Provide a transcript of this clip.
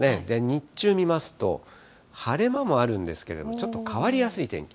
日中見ますと、晴れ間もあるんですけど、ちょっと変わりやすい天気。